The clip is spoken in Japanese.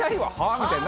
みたいな。